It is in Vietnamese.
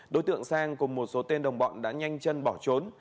đối tượng sang cùng một số tên đồng bọn đã nhanh chân bỏ trốn